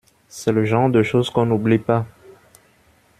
C'est le genre de choses qu'on oublie pas.